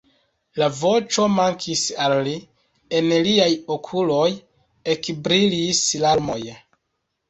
La voĉo mankis al li, en liaj okuloj ekbrilis larmoj.